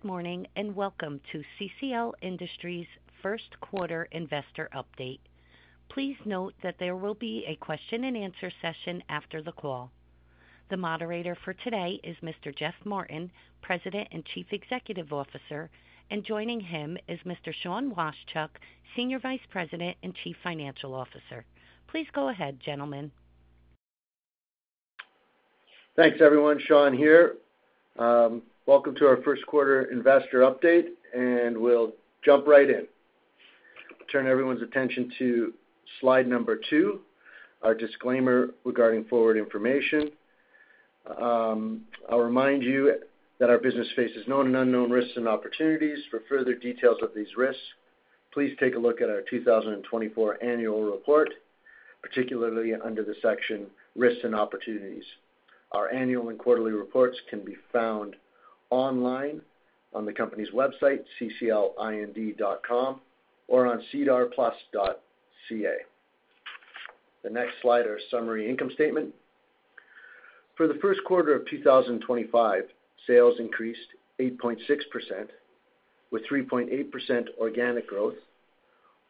Good morning and welcome to CCL Industries' First Quarter Investor Update. Please note that there will be a question-and-answer session after the call. The moderator for today is Mr. Geoff Martin, President and Chief Executive Officer, and joining him is Mr. Sean Washchuk, Senior Vice President and Chief Financial Officer. Please go ahead, gentlemen. Thanks, everyone. Sean here. Welcome to our first quarter investor update, and we'll jump right in. Turn everyone's attention to slide number two, our disclaimer regarding forward information. I'll remind you that our business faces known and unknown risks and opportunities. For further details of these risks, please take a look at our 2024 annual report, particularly under the section Risks and Opportunities. Our annual and quarterly reports can be found online on the company's website, cclind.com, or on sedarplus.ca. The next slide, our summary income statement. For the first quarter of 2025, sales increased 8.6%, with 3.8% organic growth,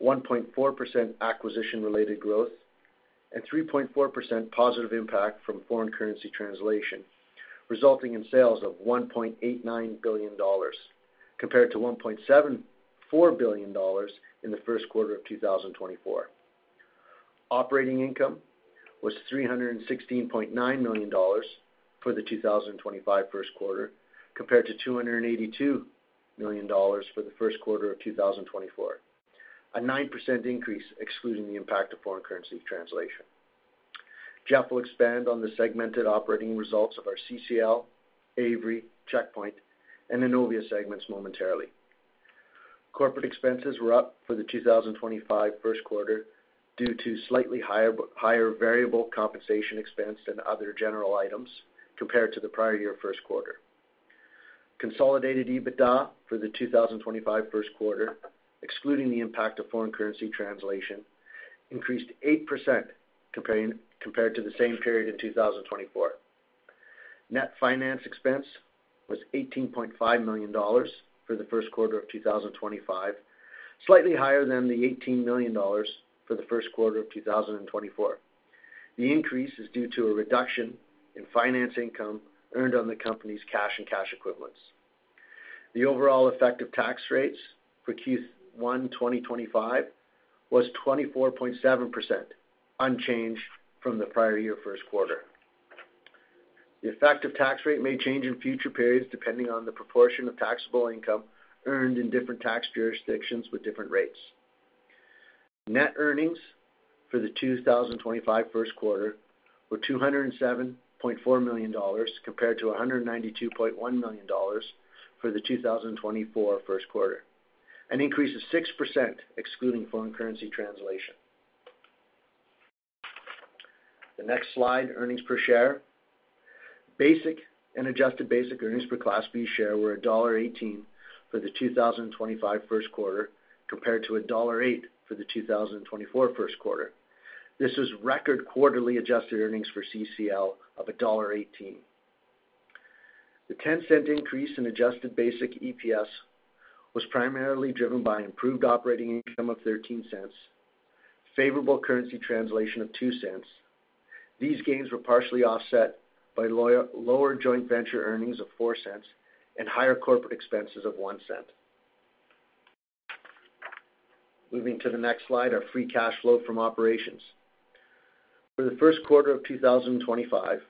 1.4% acquisition-related growth, and 3.4% positive impact from foreign currency translation, resulting in sales of 1.89 billion dollars, compared to 1.74 billion dollars in the first quarter of 2024. Operating income was 316.9 million dollars for the 2025 first quarter, compared to 282 million dollars for the first quarter of 2024, a 9% increase excluding the impact of foreign currency translation. Geoff will expand on the segmented operating results of our CCL, Avery, Checkpoint, and Innovia segments momentarily. Corporate expenses were up for the 2025 first quarter due to slightly higher variable compensation expense than other general items, compared to the prior year first quarter. Consolidated EBITDA for the 2025 first quarter, excluding the impact of foreign currency translation, increased 8% compared to the same period in 2024. Net finance expense was 18.5 million dollars for the first quarter of 2025, slightly higher than the 18 million dollars for the first quarter of 2024. The increase is due to a reduction in finance income earned on the company's cash and cash equivalents. The overall effective tax rates for Q1 2025 was 24.7%, unchanged from the prior year first quarter. The effective tax rate may change in future periods depending on the proportion of taxable income earned in different tax jurisdictions with different rates. Net earnings for the 2025 first quarter were 207.4 million dollars compared to 192.1 million dollars for the 2024 first quarter, an increase of 6% excluding foreign currency translation. The next slide, earnings per share. Basic and adjusted basic earnings per Class B share were dollar 1.18 for the 2025 first quarter compared to dollar 1.08 for the 2024 first quarter. This was record quarterly adjusted earnings for CCL of dollar 1.18. The 0.10 increase in adjusted basic EPS was primarily driven by improved operating income of 0.13, favorable currency translation of 0.02. These gains were partially offset by lower joint venture earnings of 0.04 and higher corporate expenses of 0.01. Moving to the next slide, our free cash flow from operations. For the first quarter of 2025,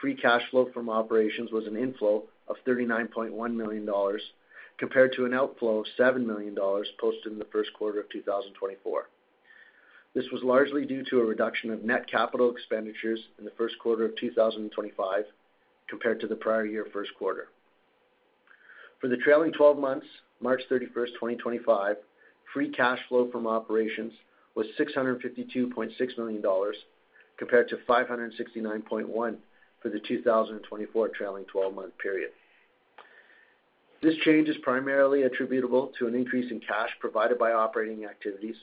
free cash flow from operations was an inflow of 39.1 million dollars compared to an outflow of 7 million dollars posted in the first quarter of 2024. This was largely due to a reduction of net capital expenditures in the first quarter of 2025 compared to the prior year first quarter. For the trailing 12 months, March 31st, 2025, free cash flow from operations was 652.6 million dollars compared to 569.1 for the 2024 trailing 12-month period. This change is primarily attributable to an increase in cash provided by operating activities,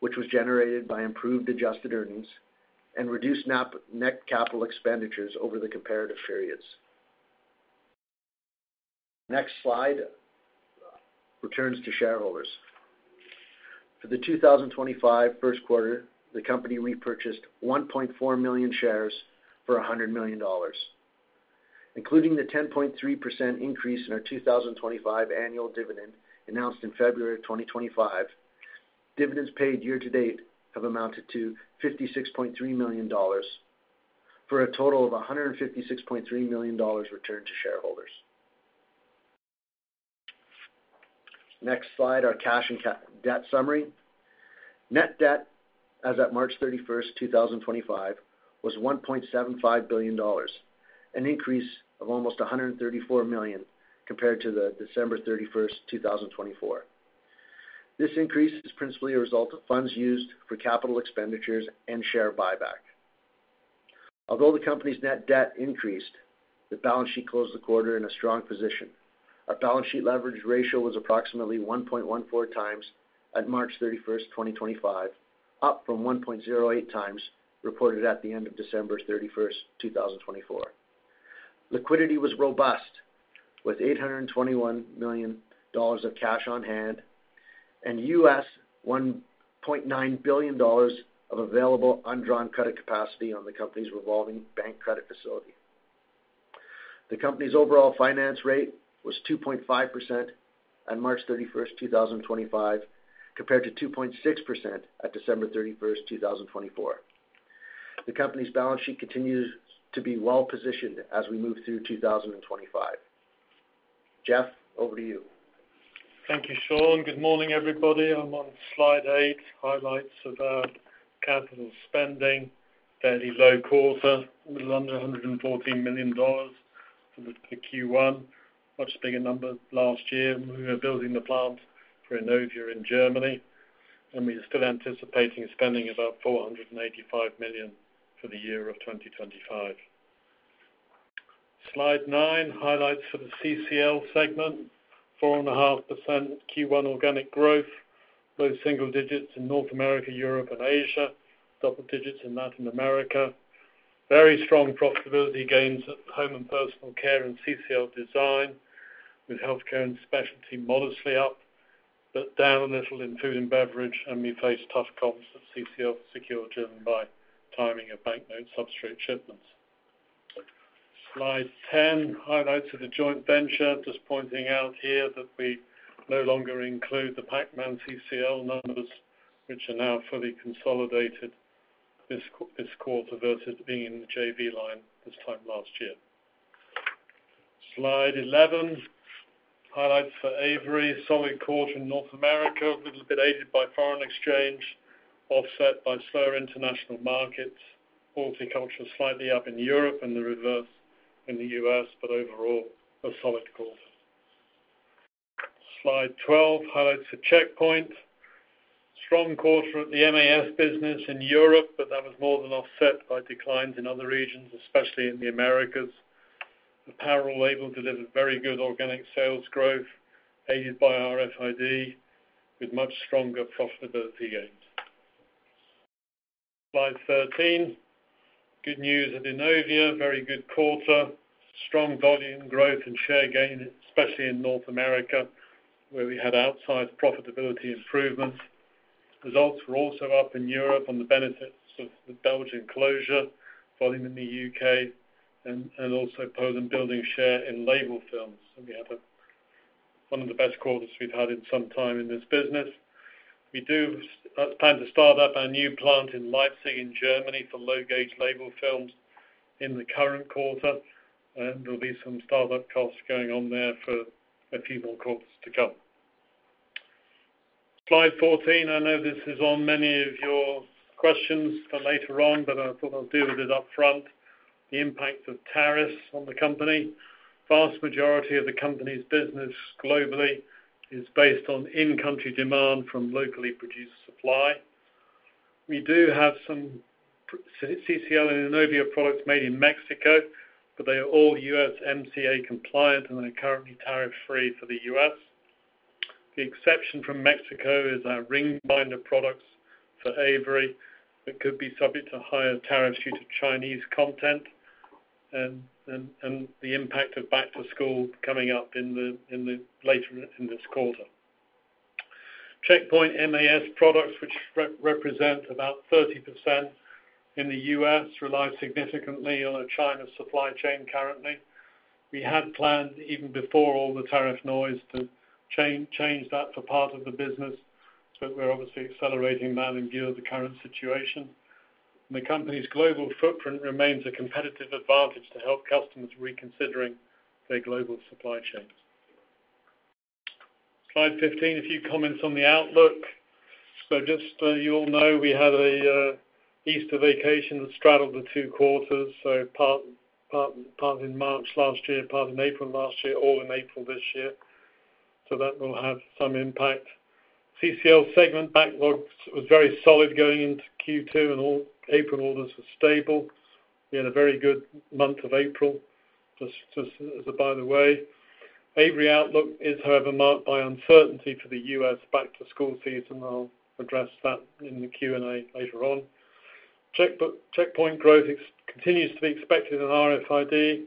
which was generated by improved adjusted earnings and reduced net capital expenditures over the comparative periods. Next slide returns to shareholders. For the 2025 first quarter, the company repurchased 1.4 million shares for 100 million dollars. Including the 10.3% increase in our 2025 annual dividend announced in February of 2025, dividends paid year-to-date have amounted to 56.3 million dollars for a total of 156.3 million dollars returned to shareholders. Next slide, our cash and debt summary. Net debt, as of March 31st, 2025, was 1.75 billion dollars, an increase of almost 134 million compared to the December 31, 2024. This increase is principally a result of funds used for capital expenditures and share buyback. Although the company's net debt increased, the balance sheet closed the quarter in a strong position. Our balance sheet leverage ratio was approximately 1.14x at March 31, 2025, up from 1.08x reported at the end of December 31st, 2024. Liquidity was robust, with 821 million dollars of cash on hand and 1.9 billion dollars of available undrawn credit capacity on the company's revolving bank credit facility. The company's overall financing rate was 2.5% on March 31st, 2025, compared to 2.6% at December 31st, 2024. The company's balance sheet continues to be well-positioned as we move through 2025. Geoff, over to you. Thank you, Sean. Good morning, everybody. I'm on slide eight, highlights of capital spending. Fairly low quarter, a little under 114 million dollars for the Q1, much bigger number last year. We were building the plant for Innovia in Germany, and we are still anticipating spending about 485 million for the year of 2025. Slide nine, highlights for the CCL segment, 4.5% Q1 organic growth, both single digits in North America, Europe, and Asia, double digits in Latin America. Very strong profitability gains at home and personal care and CCL Design, with healthcare and specialty modestly up but down a little in food and beverage, and we face tough costs at CCL Secure driven by timing of banknote substrate shipments. Slide 10, highlights of the joint venture, just pointing out here that we no longer include the Pacman-CCL numbers, which are now fully consolidated this quarter versus being in the JV line this time last year. Slide 11, highlights for Avery, solid quarter in North America, a little bit aided by foreign exchange, offset by slower international markets, multi-color slightly up in Europe and the reverse in the U.S., but overall a solid quarter. Slide 12, highlights for Checkpoint, strong quarter at the MAS business in Europe, but that was more than offset by declines in other regions, especially in the Americas. Apparel label delivered very good organic sales growth, aided by RFID, with much stronger profitability gains. Slide 13, good news at Innovia, very good quarter, strong volume growth and share gain, especially in North America, where we had outsized profitability improvements. Results were also up in Europe on the benefits of the Belgian closure, volume in the U.K., and also building share in label films. We have one of the best quarters we've had in some time in this business. We do plan to start up our new plant in Leipzig in Germany for low-gauge label films in the current quarter, and there'll be some startup costs going on there for a few more quarters to come. Slide 14, I know this is on many of your questions for later on, but I thought I'll deal with it upfront. The impact of tariffs on the company. Vast majority of the company's business globally is based on in-country demand from locally produced supply. We do have some CCL and Innovia products made in Mexico, but they are all USMCA compliant, and they're currently tariff-free for the U.S. The exception from Mexico is our ring binder products for Avery, which could be subject to higher tariffs due to Chinese content and the impact of back-to-school coming up later in this quarter. Checkpoint MAS products, which represent about 30% in the U.S., rely significantly on a China supply chain currently. We had planned even before all the tariff noise to change that for part of the business, but we're obviously accelerating that in view of the current situation. The company's global footprint remains a competitive advantage to help customers reconsidering their global supply chains. Slide 15, a few comments on the outlook. So just so you all know, we had an Easter vacation that straddled the two quarters, so part in March last year, part in April last year, all in April this year. So that will have some impact. CCL segment backlog was very solid going into Q2, and all April orders were stable. We had a very good month of April, just as a by the way. Avery outlook is, however, marked by uncertainty for the U.S. back-to-school season. I'll address that in the Q&A later on. Checkpoint growth continues to be expected in RFID,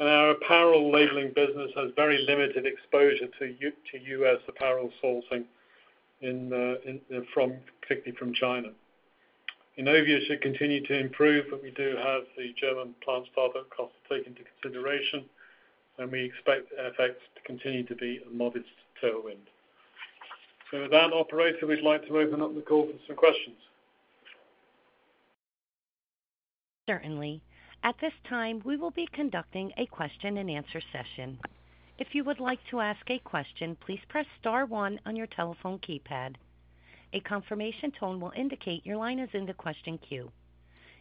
and our apparel labeling business has very limited exposure to U.S. apparel sourcing from, particularly from China. Innovia should continue to improve, but we do have the German plant startup costs taken into consideration, and we expect effects to continue to be a modest tailwind. So with that, operator, we'd like to open up the call for some questions. Certainly. At this time, we will be conducting a question-and-answer session. If you would like to ask a question, please press star one on your telephone keypad. A confirmation tone will indicate your line is in the question queue.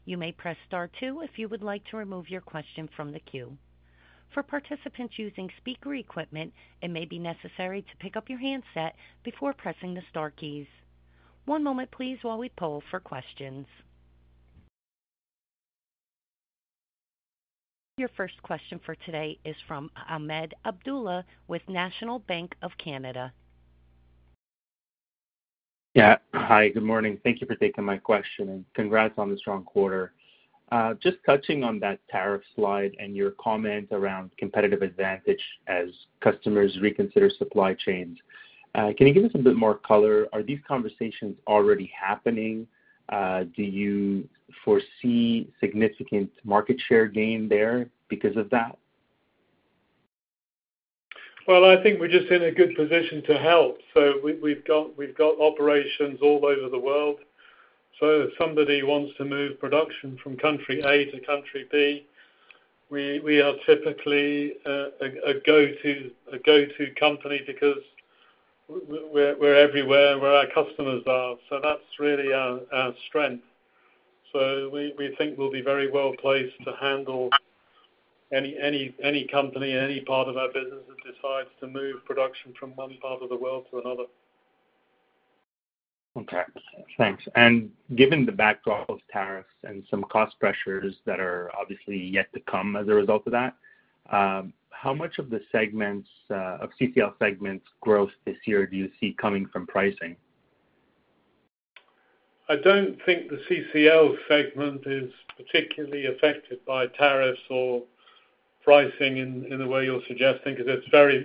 You may press star two if you would like to remove your question from the queue. For participants using speaker equipment, it may be necessary to pick up your handset before pressing the star keys. One moment, please, while we poll for questions. Your first question for today is from Ahmed Abdullah with National Bank of Canada. Yeah. Hi, good morning. Thank you for taking my question, and congrats on the strong quarter. Just touching on that tariff slide and your comment around competitive advantage as customers reconsider supply chains, can you give us a bit more color? Are these conversations already happening? Do you foresee significant market share gain there because of that? Well, I think we're just in a good position to help. So we've got operations all over the world. So if somebody wants to move production from country A to country B, we are typically a go-to company because we're everywhere where our customers are. So that's really our strength. So we think we'll be very well placed to handle any company in any part of our business that decides to move production from one part of the world to another. Okay. Thanks, and given the backdrop of tariffs and some cost pressures that are obviously yet to come as a result of that, how much of the segments, of CCL segments, growth this year do you see coming from pricing? I don't think the CCL segment is particularly affected by tariffs or pricing in the way you're suggesting because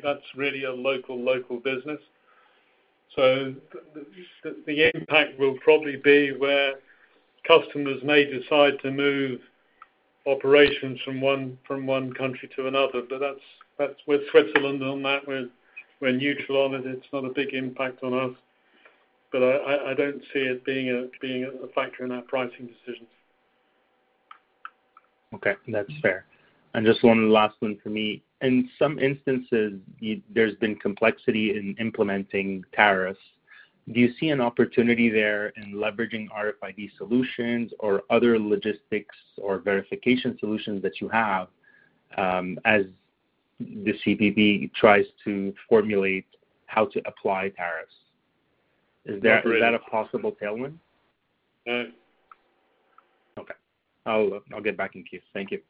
that's really a local, local business. So the impact will probably be where customers may decide to move operations from one country to another. But with Switzerland on that, we're neutral on it. It's not a big impact on us. But I don't see it being a factor in our pricing decisions. Okay. That's fair. And just one last one for me. In some instances, there's been complexity in implementing tariffs. Do you see an opportunity there in leveraging RFID solutions or other logistics or verification solutions that you have as the CBP tries to formulate how to apply tariffs? Is that a possible tailwind? No. Okay. I'll get back in queue. Thank you.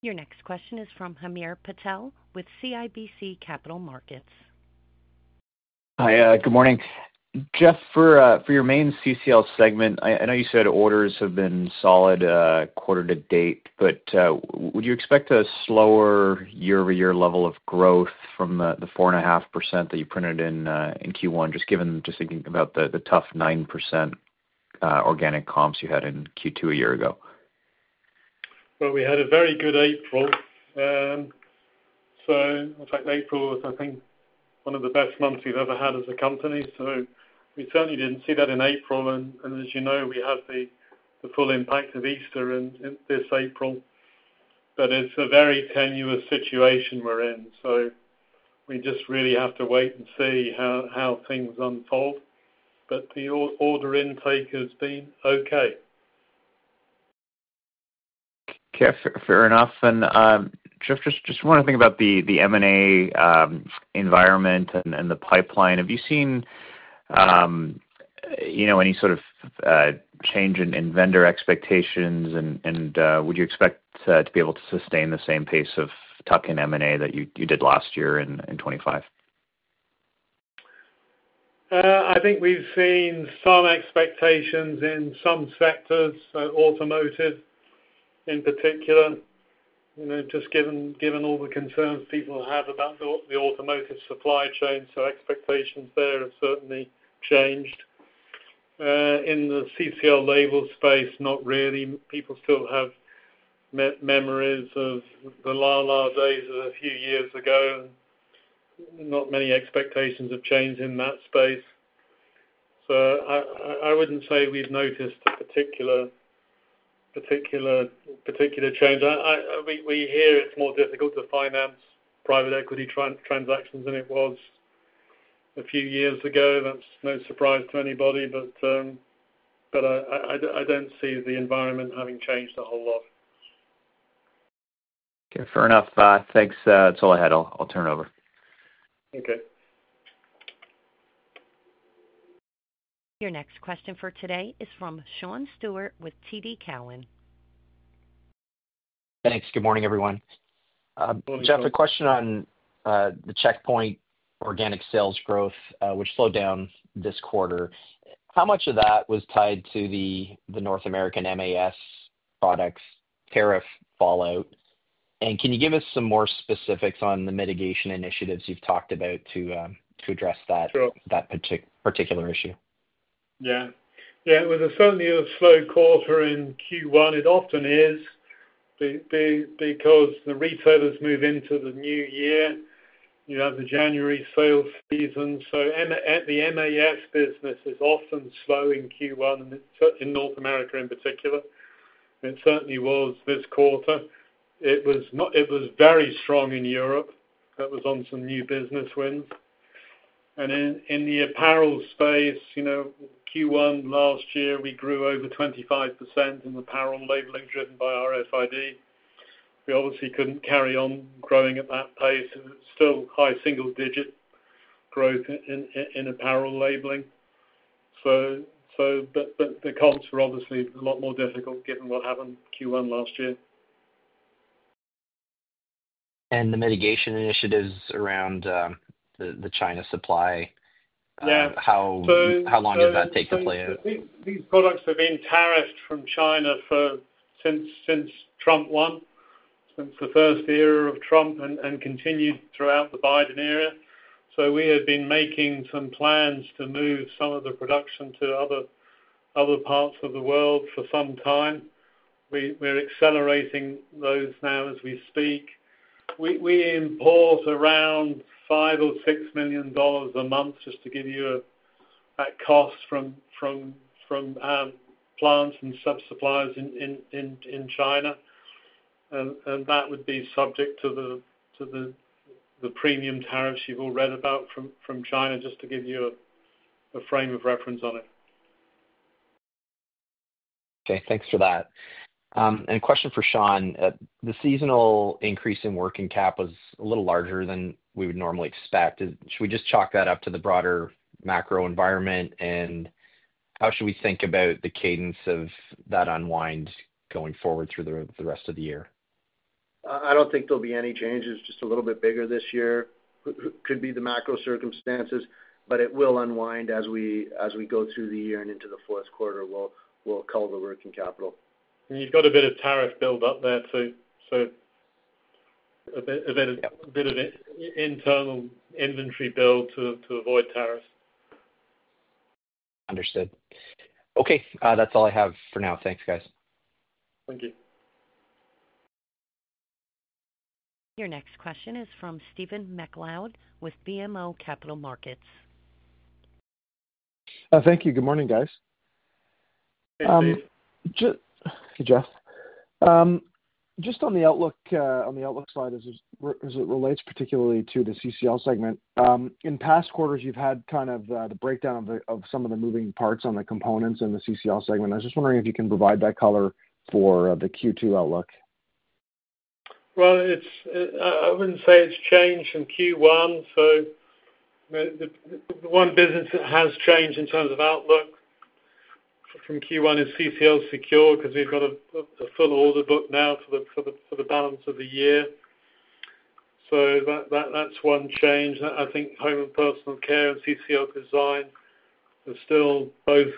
Your next question is from Hamir Patel with CIBC Capital Markets. Hi, good morning. Geoff, for your main CCL segment, I know you said orders have been solid quarter to date, but would you expect a slower year-over-year level of growth from the 4.5% that you printed in Q1, just thinking about the tough 9% organic comps you had in Q2 a year ago? Well, we had a very good April. So in fact, April was, I think, one of the best months we've ever had as a company. So we certainly didn't see that in April. And as you know, we have the full impact of Easter in this April. But it's a very tenuous situation we're in. So we just really have to wait and see how things unfold. But the order intake has been okay. Fair enough. And Geoff, just one more thing about the M&A environment and the pipeline. Have you seen any sort of change in vendor expectations, and would you expect to be able to sustain the same pace of tuck-in M&A that you did last year in 2025? I think we've seen some expectations in some sectors, automotive in particular, just given all the concerns people have about the automotive supply chain. So expectations there have certainly changed. In the CCL label space, not really. People still have memories of the la-la days of a few years ago. Not many expectations have changed in that space. So I wouldn't say we've noticed a particular change. We hear it's more difficult to finance private equity transactions than it was a few years ago. That's no surprise to anybody. But I don't see the environment having changed a whole lot. Fair enough. Thanks. That's all I had. I'll turn it over. Okay. Your next question for today is from Sean Steuart with TD Cowen. Thanks. Good morning, everyone. Geoff, a question on the Checkpoint organic sales growth, which slowed down this quarter. How much of that was tied to the North American MAS products' tariff fallout? And can you give us some more specifics on the mitigation initiatives you've talked about to address that particular issue? Yeah. Yeah. It was certainly a slow quarter in Q1. It often is because the retailers move into the new year. You have the January sales season. So the MAS business is often slow in Q1, in North America in particular. It certainly was this quarter. It was very strong in Europe. That was on some new business wins. And in the apparel space, Q1 last year, we grew over 25% in apparel labeling driven by RFID. We obviously couldn't carry on growing at that pace. It's still high single-digit growth in apparel labeling. But the comps were obviously a lot more difficult given what happened Q1 last year. The mitigation initiatives around the China supply, how long did that take to play out? These products have been tariffed from China since Trump won, since the first era of Trump and continued throughout the Biden era. So we have been making some plans to move some of the production to other parts of the world for some time. We're accelerating those now as we speak. We import around 5 million-6 million dollars a month, just to give you a cost from plants and sub-suppliers in China. And that would be subject to the premium tariffs you've all read about from China, just to give you a frame of reference on it. Okay. Thanks for that, and question for Sean. The seasonal increase in working cap was a little larger than we would normally expect. Should we just chalk that up to the broader macro environment, and how should we think about the cadence of that unwind going forward through the rest of the year? I don't think there'll be any changes. Just a little bit bigger this year could be the macro circumstances. But it will unwind as we go through the year and into the fourth quarter. We'll cut the working capital. And you've got a bit of tariff build-up there too. So a bit of internal inventory build to avoid tariffs. Understood. Okay. That's all I have for now. Thanks, guys. Thank you. Your next question is from Stephen MacLeod with BMO Capital Markets. Thank you. Good morning, guys. Hey, Stephen. Hey, Geoff. Just on the outlook side as it relates particularly to the CCL segment, in past quarters, you've had kind of the breakdown of some of the moving parts on the components in the CCL segment. I was just wondering if you can provide that color for the Q2 outlook? I wouldn't say it's changed in Q1. So the one business that has changed in terms of outlook from Q1 is CCL Secure because we've got a full order book now for the balance of the year. So that's one change. I think home and personal care and CCL Design are still both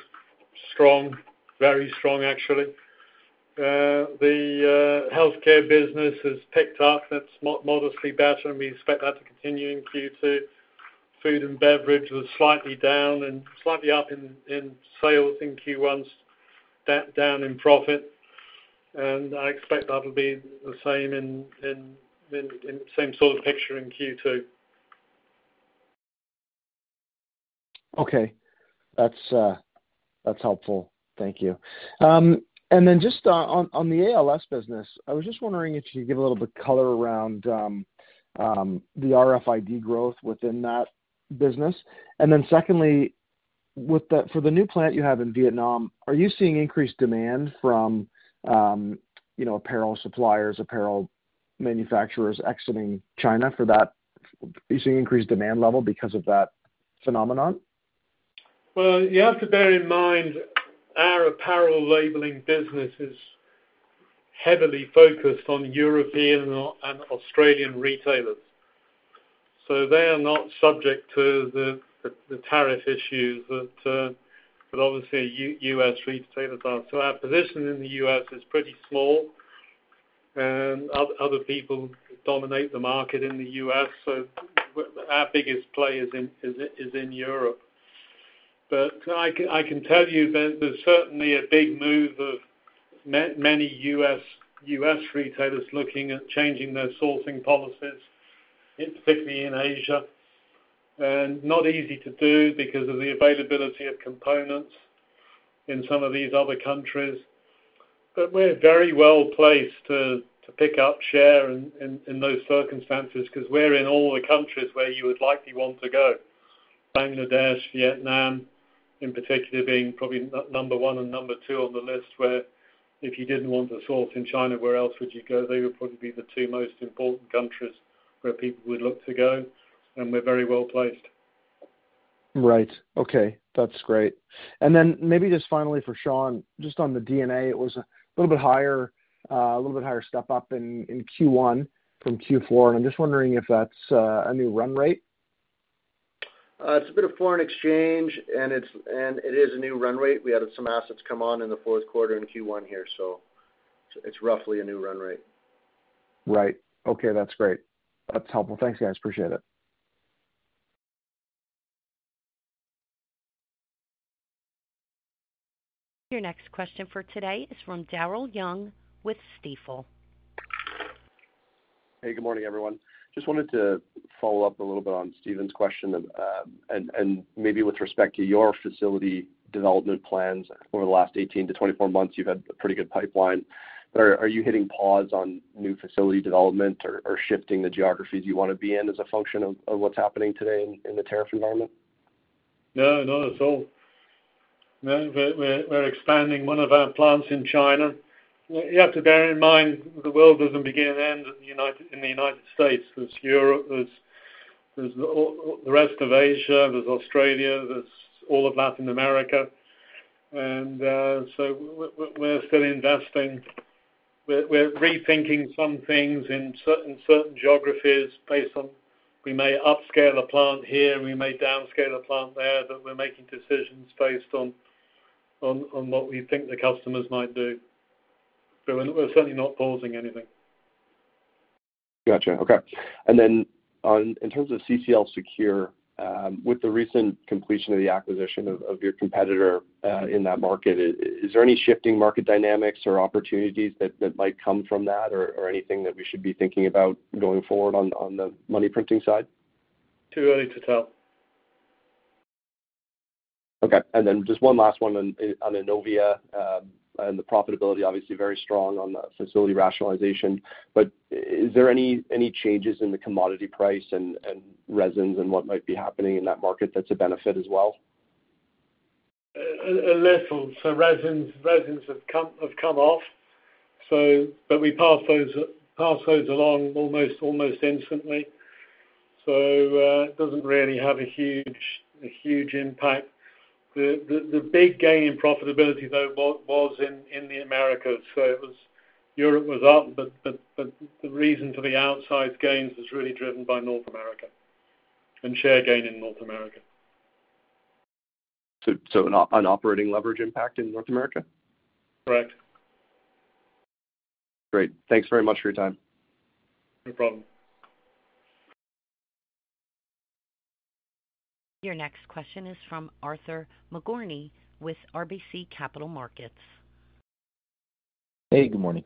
strong, very strong, actually. The healthcare business has picked up. That's modestly better, and we expect that to continue in Q2. Food and beverage was slightly down and slightly up in sales in Q1, down in profit. And I expect that will be the same in the same sort of picture in Q2. Okay. That's helpful. Thank you. And then just on the ALS business, I was just wondering if you could give a little bit of color around the RFID growth within that business. And then secondly, for the new plant you have in Vietnam, are you seeing increased demand from apparel suppliers, apparel manufacturers exiting China for that? Are you seeing increased demand level because of that phenomenon? You have to bear in mind our apparel labeling business is heavily focused on European and Australian retailers. So they are not subject to the tariff issues that obviously U.S. retailers are. So our position in the U.S. is pretty small. And other people dominate the market in the U.S. So our biggest player is in Europe. But I can tell you there's certainly a big move of many U.S. retailers looking at changing their sourcing policies, particularly in Asia. And not easy to do because of the availability of components in some of these other countries. But we're very well placed to pick up share in those circumstances because we're in all the countries where you would likely want to go: Bangladesh, Vietnam, in particular, being probably number one and number two on the list, where if you didn't want to source in China, where else would you go? They would probably be the two most important countries where people would look to go. And we're very well placed. Right. Okay. That's great. And then maybe just finally for Sean, just on the D&A, it was a little bit higher, a little bit higher step up in Q1 from Q4. And I'm just wondering if that's a new run rate? It's a bit of foreign exchange, and it is a new run rate. We had some assets come on in the fourth quarter in Q1 here, so it's roughly a new run rate. Right. Okay. That's great. That's helpful. Thanks, guys. Appreciate it. Your next question for today is from Daryl Young with Stifel. Hey, good morning, everyone. Just wanted to follow up a little bit on Steven's question and maybe with respect to your facility development plans. Over the last 18 to 24 months, you've had a pretty good pipeline. Are you hitting pause on new facility development or shifting the geographies you want to be in as a function of what's happening today in the tariff environment? No, no. We're expanding one of our plants in China. You have to bear in mind the world doesn't begin and end in the United States. There's Europe. There's the rest of Asia. There's Australia. There's all of Latin America. And so we're still investing. We're rethinking some things in certain geographies based on we may upscale a plant here, and we may downscale a plant there, but we're making decisions based on what we think the customers might do. So we're certainly not pausing anything. Gotcha. Okay. And then in terms of CCL Secure, with the recent completion of the acquisition of your competitor in that market, is there any shifting market dynamics or opportunities that might come from that or anything that we should be thinking about going forward on the money printing side? Too early to tell. Okay. And then just one last one on Innovia and the profitability, obviously very strong on the facility rationalization. But is there any changes in the commodity price and resins and what might be happening in that market that's a benefit as well? A little. So resins have come off. But we pass those along almost instantly. So it doesn't really have a huge impact. The big gain in profitability, though, was in the Americas. So Europe was up, but the reason for the outsized gains was really driven by North America and share gain in North America. So an operating leverage impact in North America? Correct. Great. Thanks very much for your time. No problem. Your next question is from Arthur Nagorny with RBC Capital Markets. Hey, good morning.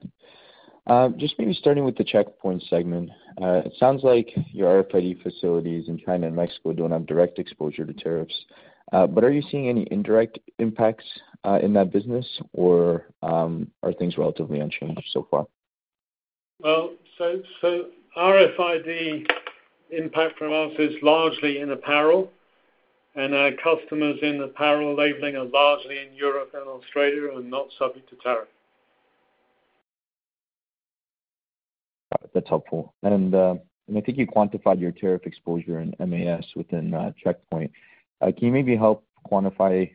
Just maybe starting with the Checkpoint segment, it sounds like your RFID facilities in China and Mexico don't have direct exposure to tariffs. But are you seeing any indirect impacts in that business, or are things relatively unchanged so far? RFID impact for us is largely in apparel. Our customers in apparel labeling are largely in Europe and Australia and not subject to tariff. That's helpful. And I think you quantified your tariff exposure in MAS within Checkpoint. Can you maybe help quantify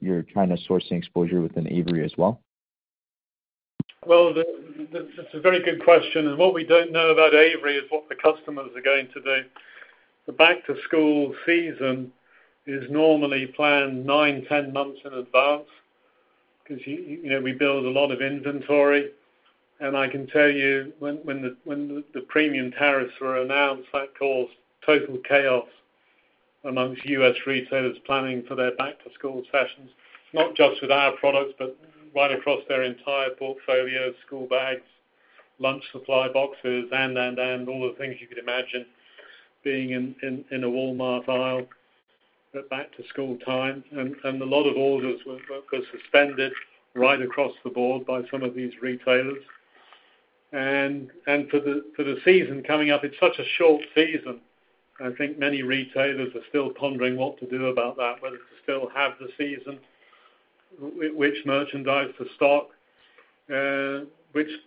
your China sourcing exposure within Avery as well? That's a very good question. And what we don't know about Avery is what the customers are going to do. The back-to-school season is normally planned nine, 10 months in advance because we build a lot of inventory. And I can tell you when the premium tariffs were announced, that caused total chaos among U.S. retailers planning for their back-to-school sessions, not just with our products, but right across their entire portfolio: school bags, lunch supply boxes, and all the things you could imagine being in a Walmart aisle at back-to-school time. And a lot of orders were suspended right across the board by some of these retailers. And for the season coming up, it's such a short season. I think many retailers are still pondering what to do about that, whether to still have the season, which merchandise to stock,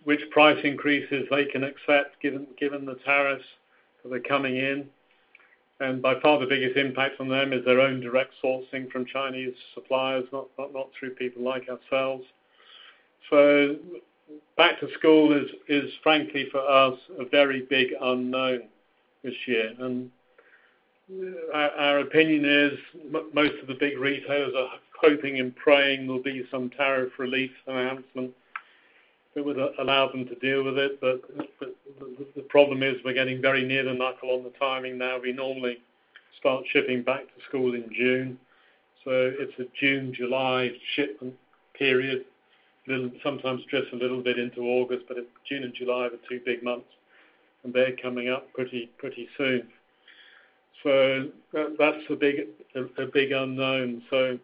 which price increases they can accept given the tariffs that are coming in, and by far, the biggest impact on them is their own direct sourcing from Chinese suppliers, not through people like ourselves, so back-to-school is, frankly, for us, a very big unknown this year, and our opinion is most of the big retailers are hoping and praying there'll be some tariff relief announcement that would allow them to deal with it, but the problem is we're getting very near the knuckle on the timing now. We normally start shipping back-to-school in June, so it's a June, July shipment period. Sometimes just a little bit into August, but June and July are the two big months, and they're coming up pretty soon, so that's a big unknown. So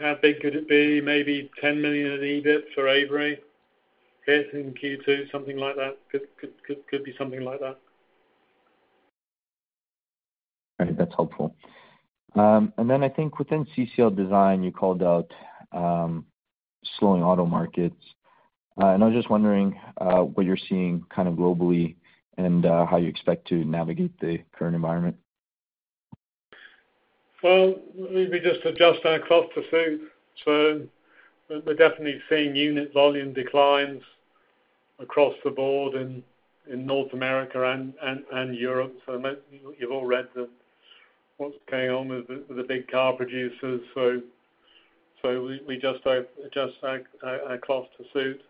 how big could it be? Maybe 10 million in EBIT for Avery in Q2, something like that. Could be something like that. All right. That's helpful. And then I think within CCL Design, you called out slowing auto markets. And I was just wondering what you're seeing kind of globally and how you expect to navigate the current environment? We've been just adjusting across the group. We're definitely seeing unit volume declines across the board in North America and Europe. You've all read what's going on with the big car producers. We just adjust cost to suit.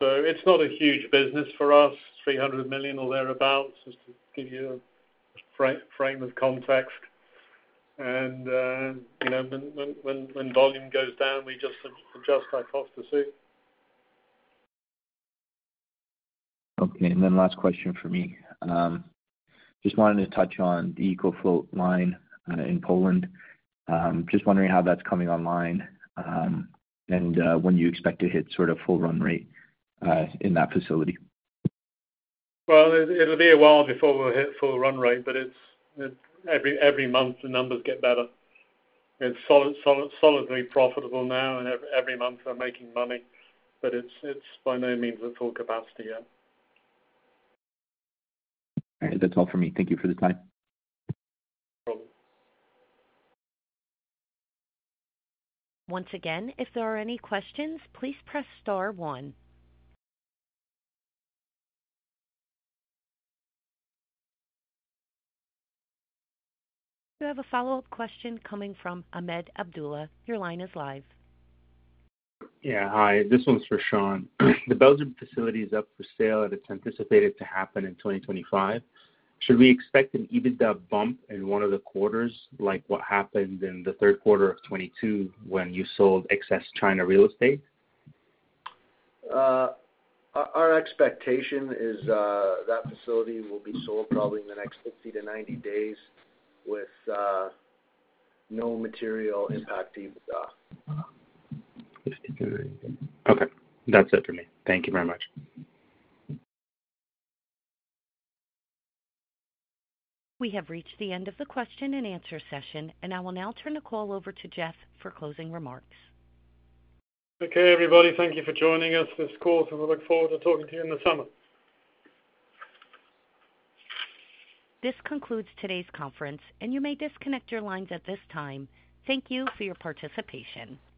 It's not a huge business for us, 300 million or thereabouts, just to give you a bit of context. When volume goes down, we just adjust our cost to suit. Okay, and then last question for me. Just wanted to touch on the EcoFloat line in Poland. Just wondering how that's coming online and when you expect to hit sort of full run rate in that facility. It'll be a while before we'll hit full run rate, but every month the numbers get better. It's solidly profitable now, and every month we're making money. But it's by no means at full capacity yet. All right. That's all for me. Thank you for the time. Once again, if there are any questions, please press star one. You have a follow-up question coming from Ahmed Abdullah. Your line is live. Yeah. Hi. This one's for Sean. The Belgian facility is up for sale, and it's anticipated to happen in 2025. Should we expect an EBITDA bump in one of the quarters like what happened in the third quarter of 2022 when you sold excess China real estate? Our expectation is that facility will be sold probably in the next 50-90 days with no material impact EBITDA. Okay. That's it for me. Thank you very much. We have reached the end of the question and answer session, and I will now turn the call over to Geoff for closing remarks. Okay, everybody. Thank you for joining us this call, and we look forward to talking to you in the summer. This concludes today's conference, and you may disconnect your lines at this time. Thank you for your participation.